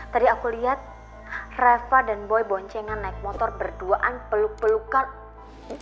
tadi aku lihat reva dan boy boncengan naik motor berduaan peluk pelukan